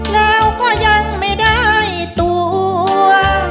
แล้วก็ยังไม่ได้ตัว